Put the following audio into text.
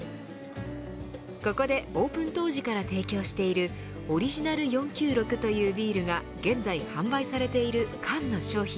ここでオープン当時から提供しているオリジナル４９６というビールが現在販売されている缶の商品。